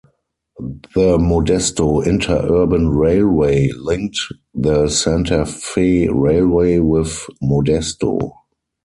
The Modesto Interurban Railway linked the Santa Fe Railway with Modesto.